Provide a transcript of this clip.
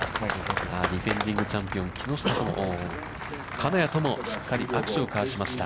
ディフェンディングチャンピオンの木下と金谷ともしっかり握手を交わしました。